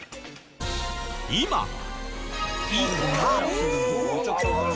今は。